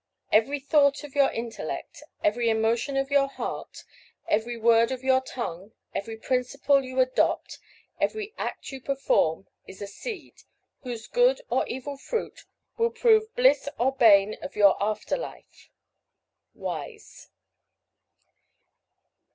Every thought of your intellect, every emotion of your heart, every word of your tongue, every principle you adopt, every act you perform, is a seed, whose good or evil fruit will prove bliss or bane of your after life._ WISE.